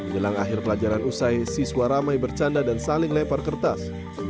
jelang akhir pelajaran usai siswa ramai bercanda dan saling lempar kertas